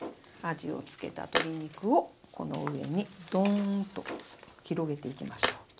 味を付けた鶏肉をこの上にドーンと広げていきましょう。